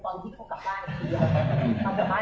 ตอนนี้ไม่ได้คิดอะไรเลย